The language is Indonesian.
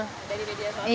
dari media sosial